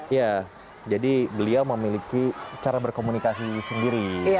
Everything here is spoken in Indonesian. ya jadi beliau memiliki cara berkomunikasi sendiri